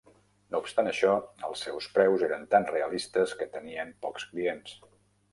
No obstant això, els seus preus eren tan realistes que tenien pocs clients.